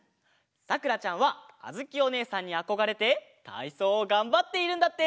さくらちゃんはあづきおねえさんにあこがれてたいそうをがんばっているんだって。